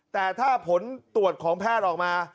แต่ถ้าผลตรวจของแพทย์ออกมา